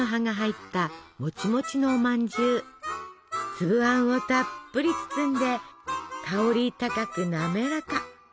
粒あんをたっぷり包んで香り高く滑らか。